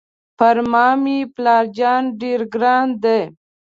پر ما مې پلار جان ډېر ګران دی.